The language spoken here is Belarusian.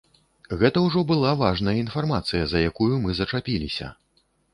Гэта ўжо была важная інфармацыя, за якую мы зачапіліся.